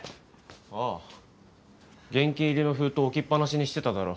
ああ現金入りの封筒置きっ放しにしてただろ？